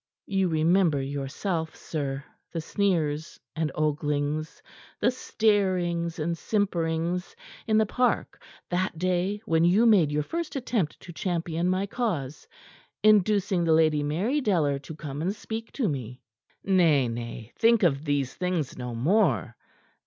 You remember, yourself, sir, the sneers and oglings, the starings and simperings in the park that day when you made your first attempt to champion my cause, inducing the Lady Mary Deller to come and speak to me." "Nay, nay think of these things no more.